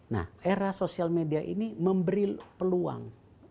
nah era sosial media ini memberi peluang